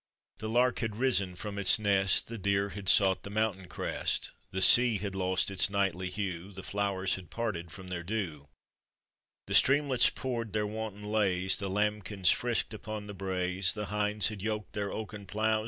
The lark had risen from its nest, The deer had sought the mountain crest, The sea had lost its nightly hue, The flowers had parted from their dew, The streamlets poured their wanton lays, The lambkins frisked upon the braes, The hinds had yoked their oaken ploughs.